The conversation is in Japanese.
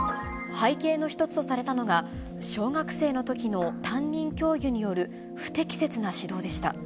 背景の一つとされたのが、小学生のときの担任教諭による不適切な指導でした。